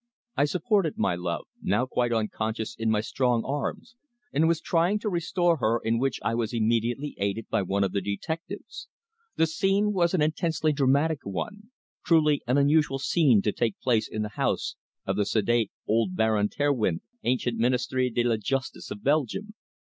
I supported my love, now quite unconscious, in my strong arms, and was trying to restore her, in which I was immediately aided by one of the detectives. The scene was an intensely dramatic one truly an unusual scene to take place in the house of the sedate old Baron Terwindt, ancient Ministre de la Justice of Belgium.